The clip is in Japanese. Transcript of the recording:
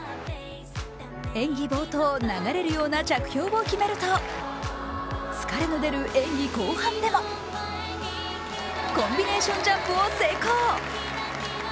演技冒頭流れるような着氷を決めると疲れの出る演技後半でもコンビネーションジャンプを成功。